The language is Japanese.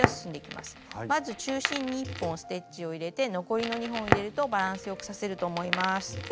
まず中心に１本ステッチを入れて残りの２本を入れるとバランスよく刺せると思います。